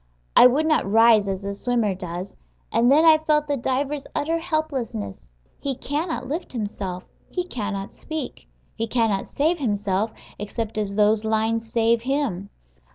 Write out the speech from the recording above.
I would not rise as a swimmer does. And then I felt the diver's utter helplessness: he cannot lift himself; he cannot speak; he cannot save himself, except as those lines save him.